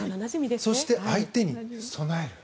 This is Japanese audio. そして、相手に備える。